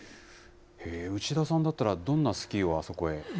牛田さんだったら、どんな好きをあそこへ？